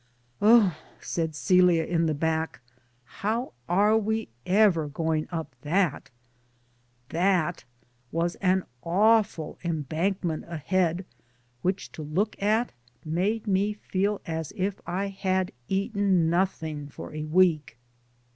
0h," said Celia in the back, how are we ever going up thatf^^ That'' was an awful embank ment ahead which to look at made me feel as if I had eaten nothing for a week.